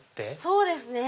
そうですね。